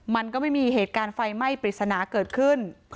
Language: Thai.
มันก็ไม่มีเหตุการณ์ไฟไหม้ปริศนาเกิดขึ้น